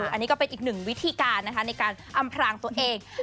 อันนี้ก็เป็นอีกหนึ่งวิธีการนะคะในการอำพรางตัวเอง